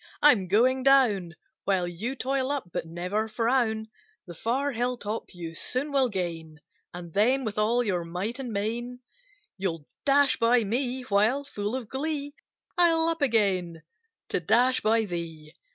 I'm going down, While you toil up; but never frown; The far hill top you soon will gain, And then, with all your might and main, You'll dash by me; while, full of glee, I'll up again to dash by thee!